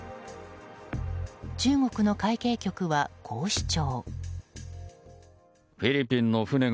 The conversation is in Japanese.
中国の会計局はこう主張。